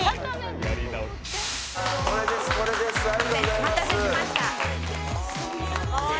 お待たせしました。